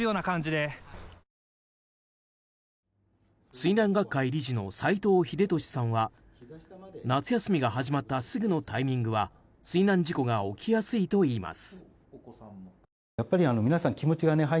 水難学会理事の斎藤秀俊さんは夏休みが始まったすぐのタイミングは水難事故が起きやすいといいます。